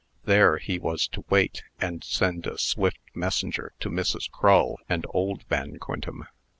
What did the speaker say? There he was to wait, and send a swift messenger to Mrs. Crull and old Van Quintem.